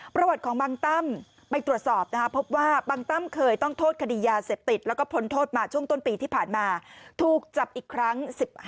ประวัติของบางตั้มไปตรวจสอบนะครับพบว่าบางตั้มเคยต้องโทษคดียาเสพติดแล้วก็พ้นโทษมาช่วงต้นปีที่ผ่านมาถูกจับอีกครั้ง๑๕